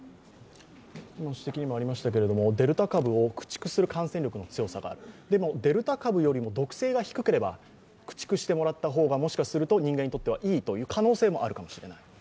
今指摘にもありましたけど、デルタ株を駆逐する感染力もあるでもデルタ株よりも毒性が低ければ駆逐してもらった方がもしかすると人間にとってもいいという可能性があるかもしれない。